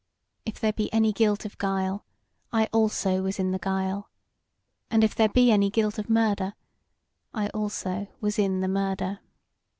If there be any guilt of guile, I also was in the guile; and if there be any guilt of murder, I also was in the murder.